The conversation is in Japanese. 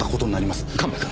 神戸君。